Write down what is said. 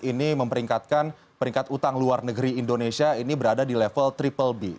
ini memperingkatkan peringkat utang luar negeri indonesia ini berada di level triple b